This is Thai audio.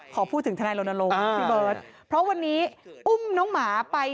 ขอพูดถึงทนายรณรงค์พี่เบิร์ตเพราะวันนี้อุ้มน้องหมาไป